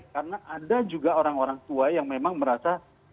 karena ada juga orang orang tua yang memang merasa